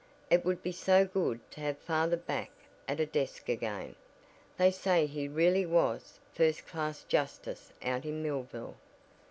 It would be so good to have father back at a desk again. They say he really was a first class justice out in Millville.